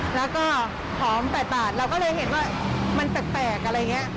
แล้วก็หอม๘บาทเราก็เลยเห็นว่ามันแปลกอะไรอย่างนี้